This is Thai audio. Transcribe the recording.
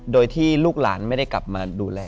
โดยที่ลูกหลานไม่ได้กลับมาดูแล